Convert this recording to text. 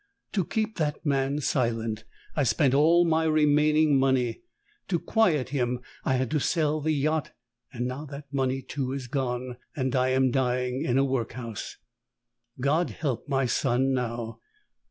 To keep that man silent I spent all my remaining money; to quiet him I had to sell the yacht; and now that money, too, is gone, and I am dying in a workhouse. God help my son now!